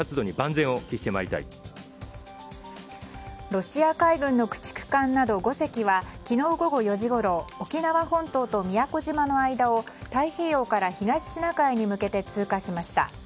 ロシア海軍の駆逐艦など５隻は昨日午後４時ごろ沖縄本島と宮古島の間を太平洋から東シナ海に向けて通過しました。